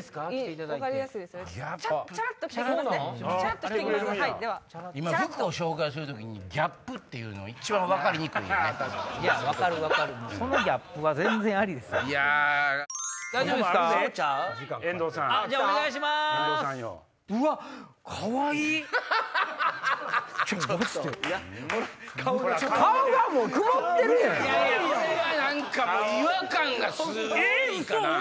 これは何か違和感がすごいかな。